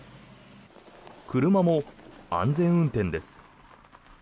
車も安全運転です。